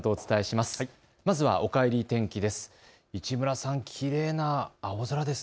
まずはおかえり天気です。